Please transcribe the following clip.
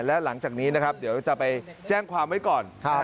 และหลังจากนี้นะครับเดี๋ยวจะไปแจ้งความไว้ก่อน